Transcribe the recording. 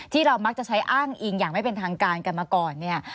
ที่เรามักจะใช้อ้างอิงอย่างไม่เป็นทางการกันมาก่อนเนี่ย